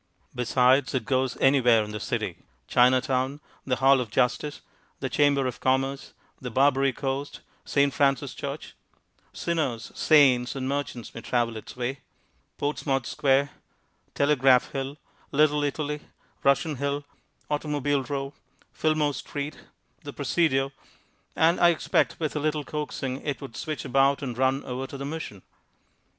Besides, it goes anywhere in the city, Chinatown, the Hall of Justice, the Chamber of Commerce, the Barbary Coast, St. Francis Church sinners, saints and merchants may travel its way Portsmouth Square, Telegraph Hill, Little Italy, Russian Hill, Automobile Row, Fillmore street, the Presidio and I expect with a little coaxing it would switch about and run over to the Mission.